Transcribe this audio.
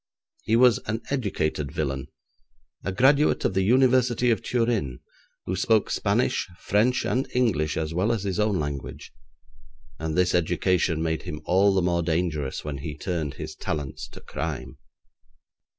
He was an educated villain, a graduate of the University of Turin, who spoke Spanish, French, and English as well as his own language, and this education made him all the more dangerous when he turned his talents to crime.